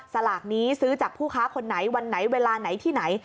สลากนี้ซื้อจากผู้ค้าคนไหนวันไหนเวลาไหนที่ไหน